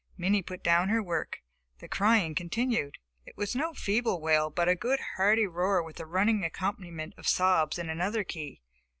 Minnie put down her work. The crying continued. It was no feeble wail, but a good hearty roar with a running accompaniment of sobs in another key.